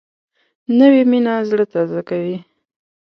نوې مینه زړه تازه کوي